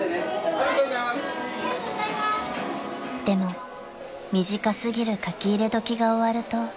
［でも短過ぎる書き入れ時が終わると］